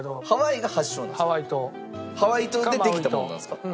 ハワイ島でできたパンなんですか？